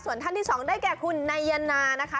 ส่วนท่านที่สองได้แก่คุณนายนานะคะ